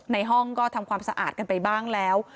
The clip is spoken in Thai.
ในห้องก็ทำความสะอาดกันไปบ้างแล้ว